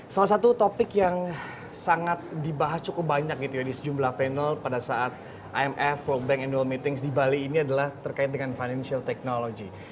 salah satu topik yang sangat dibahas cukup banyak gitu ya di sejumlah panel pada saat imf world bank annual meetings di bali ini adalah terkait dengan financial technology